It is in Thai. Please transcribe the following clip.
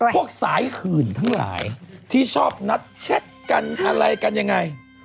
พวกสายหื่นทั้งหลายที่ชอบนัดแชทกันอะไรกันยังไง